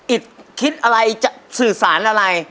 อิทธิ์คิดอะไรสื่อสารอะไร